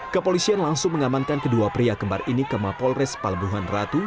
kepolisian langsung mengamankan kedua pria kembar ini ke mapolres palembuhan ratu